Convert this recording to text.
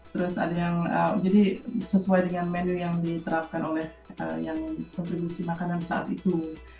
terus ada yang jadi sesuai dengan menu yang diterapkan oleh yang kontribusi makanan saat itu